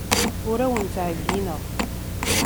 Ur awen-ttɛeyyineɣ.